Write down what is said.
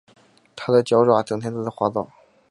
它的脚爪整天都在滑倒